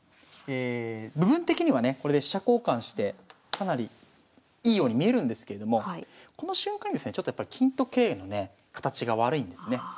部分的にはねこれで飛車交換してかなりいいように見えるんですけれどもこの瞬間にですねちょっとやっぱり金と桂のね形が悪いんですね。